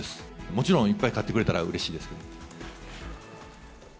もちろんいっぱい勝ってくれたらうれしいですけども。